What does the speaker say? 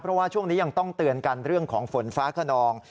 เพราะว่าช่วงนี้ยังต้องเตือนกันเรื่องของฝนฟ้าขนอง